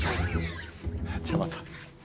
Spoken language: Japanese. じゃあまた！